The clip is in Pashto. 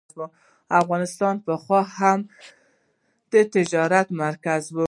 افغانستان پخوا هم د تجارت مرکز و.